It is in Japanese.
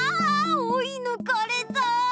おいぬかれた！